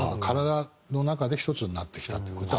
体の中で一つになってきたっていう。